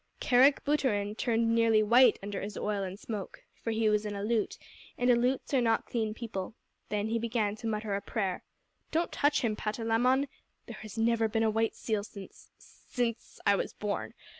Kerick Booterin turned nearly white under his oil and smoke, for he was an Aleut, and Aleuts are not clean people. Then he began to mutter a prayer. "Don't touch him, Patalamon. There has never been a white seal since since I was born.